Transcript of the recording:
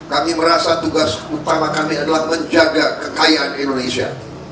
kami merasa tugas utama kami adalah menjaga kekayaan indonesia